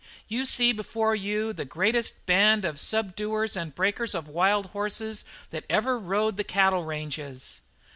You see before you the greatest band of subduers and breakers of wild horses that ever rode the cattle ranges.